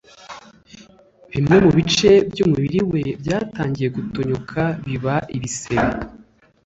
bimwe mu mu bice by’umubiri we byatangiye gutonyoka biba ibisebe